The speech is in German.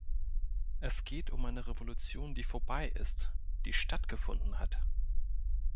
Es geht um eine Revolution, die vorbei ist, die stattgefunden hat.